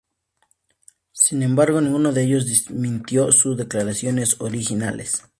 Sin embargo, ninguno de ellos desmintió sus declaraciones originales.